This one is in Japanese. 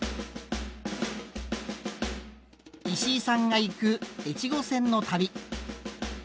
石井さんが行く越後線の旅。